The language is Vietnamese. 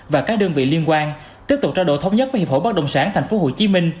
và các đơn vị liên quan tiếp tục trao đổi thống nhất với hiệp hội bất động sản tp hcm